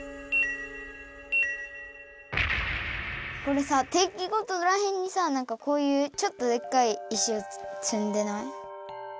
これさ定期ごとらへんにさなんかこういうちょっとでっかい石をつんでない？